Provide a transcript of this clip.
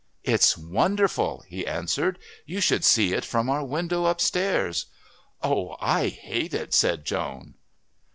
"It's wonderful," he answered. "You should see it from our window upstairs." "Oh, I hate it " said Joan.